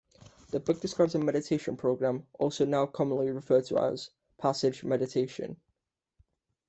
The book describes a meditation program, also now commonly referred to as Passage Meditation.